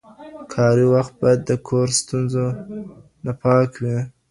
کاري وخت باید د کور ستونزو نه پاک وي.